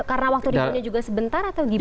karena waktu reboundnya juga sebentar atau gimana